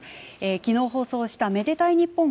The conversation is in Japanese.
昨日、放送した「愛でたいｎｉｐｐｏｎ」